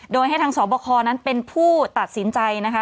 โดยให้ทางสอบคอนั้นเป็นผู้ตัดสินใจนะคะ